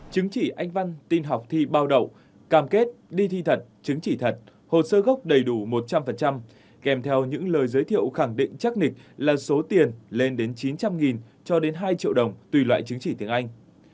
chứng chỉ anh văn tin học thi bao đậu cam kết đi thi thật chứng chỉ thật hồ sơ gốc đầy đủ một trăm linh kèm theo những lời giới thiệu khẳng định chắc nịch là số tiền lên đến chín trăm linh cho đến hai triệu đồng tùy loại chứng chỉ tiếng anh